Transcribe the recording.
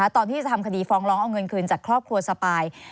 ตอนที่จะทำคดีฟ้องร้องเอาเงินคืนจากครอบครัวสปาย